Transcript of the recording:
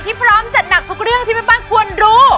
พร้อมจัดหนักทุกเรื่องที่แม่บ้านควรรู้